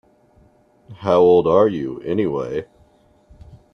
How old are you anyway?